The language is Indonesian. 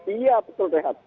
iya betul rehat